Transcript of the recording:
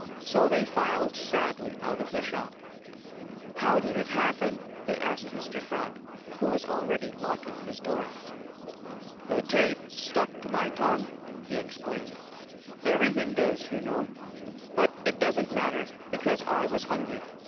So they filed sadly out of the shop. "How did it happen?" they asked Mr. Frog, who was already locking his door. "The tape stuck to my tongue," he explained. "Everything does, you know. But it doesn't matter, because I was hungry.